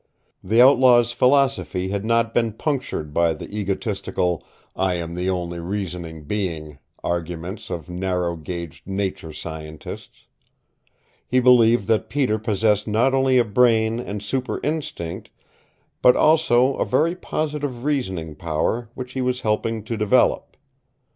The outlaw's philosophy had not been punctured by the egotistical "I am the only reasoning being" arguments of narrow gauged nature scientists. He believed that Peter possessed not only a brain and super instinct, but also a very positive reasoning power which he was helping to develop.